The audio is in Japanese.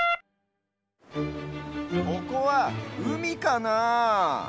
ここはうみかなあ。